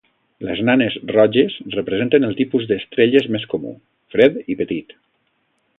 Les nanes roges representen el tipus d'estrelles més comú, fred i petit.